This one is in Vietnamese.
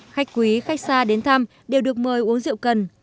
khách quý khách xa đến thăm đều được mời uống rượu cần